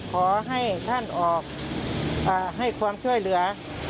ขอให้ท่านออกให้ความช่วยเหลือ